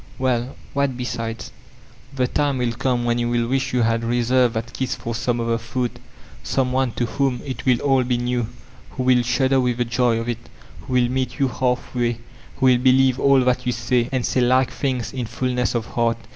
••Well— what besides—" "The time will come when you will wish you had le* served that kiss for some other foot Some one to whom it will all be new, who will shudder with the joy of it. TkB Triumph of Youth 459 wiio wffl meet yoo half way, who will believe all thai you say, and say like things in fullness of heart.